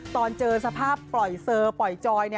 ตอนเจอสภาพปล่อยเซอร์ปล่อยจอย